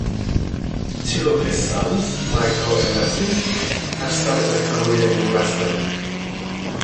Two of his sons, Michael and Matthew have started a career in wrestling.